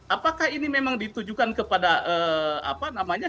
apakah ini memang ditujukan kepada apa namanya